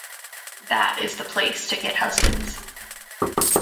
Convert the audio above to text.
That is the place to get husbands.